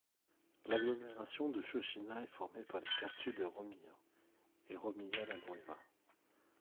L'agglomération de Chauchina est formée par les quartiers de Romilla, et Romilla la Nueva.